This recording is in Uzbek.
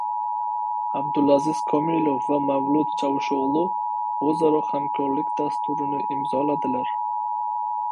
Abdulaziz Komilov va Mavlut Chavusho‘g‘lu o‘zaro Hamkorlik dasturini imzoladilar